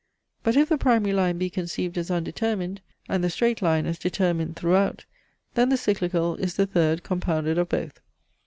But if the primary line be conceived as undetermined, and the straight line as determined throughout, then the cyclical is the third compounded of both.